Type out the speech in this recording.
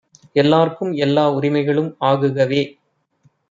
எல்லார்க்கும் எல்லா உரிமைகளும் ஆகுகவே!